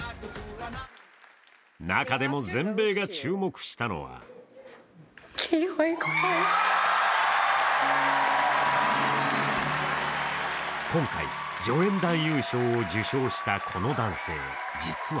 中でも全米が注目したのは今回、助演男優賞を受賞したこの男性、実は